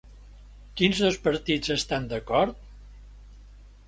Quins dos partits estan d'acord?